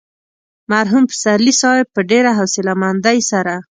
مرحوم پسرلي صاحب په ډېره حوصله مندۍ سره.